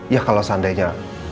ya kalau seandainya